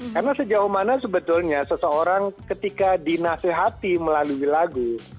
karena sejauh mana sebetulnya seseorang ketika dinasihati melalui lagu